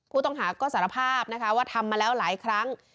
ผู้ต้องหาก็สารภาพนะคะว่าทำมาแล้วหลายครั้ง